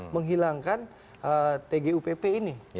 menghilangkan tgupp ini